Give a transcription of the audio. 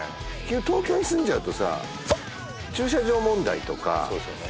東京に住んじゃうとさ駐車場問題とかそうですよね